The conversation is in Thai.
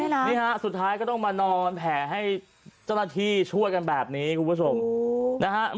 นี่ฮะสุดท้ายก็ต้องมานอนแผ่ให้เจ้าหน้าที่ช่วยกันแบบนี้คุณผู้ชมนะฮะ